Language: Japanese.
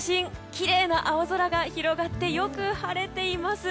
きれいな青空が広がってよく晴れています。